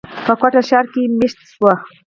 پۀ کوئټه ښار کښې ميشته شو،